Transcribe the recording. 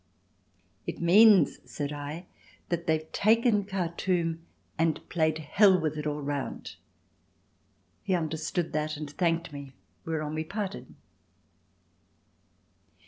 "It means," said I, "that they've taken Khartoum and played hell with it all round." He understood that and thanked me, whereon we parted.